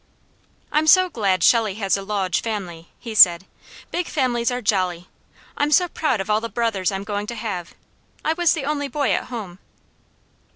"I'm so glad Shelley has a lawge family," he said. "Big families are jolly. I'm so proud of all the brothers I'm going to have. I was the only boy at home."